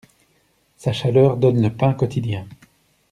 Sa chaleur donne le pain quotidien.